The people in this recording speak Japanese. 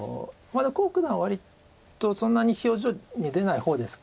まあでも黄九段割とそんなに表情に出ない方です。